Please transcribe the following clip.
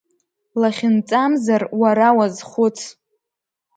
Лахьынҵамзар уара уазхәыц…